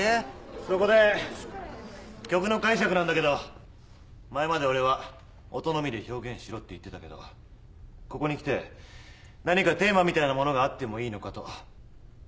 そこで曲の解釈なんだけど前まで俺は音のみで表現しろって言ってたけどここに来て何かテーマみたいなものがあってもいいのかと。